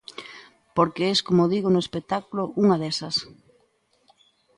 Porque es, como digo no espectáculo, unha desas.